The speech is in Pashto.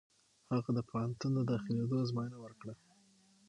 هغه د پوهنتون د داخلېدو ازموینه ورکړه.